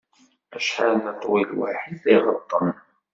Acḥal neṭwi lwaḥi tiɣeṭṭen!